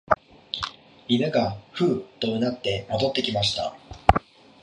犬がふうと唸って戻ってきました